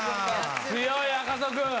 強い赤楚君。